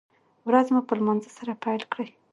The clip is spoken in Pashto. ورځ مو په لمانځه سره پیل کړئ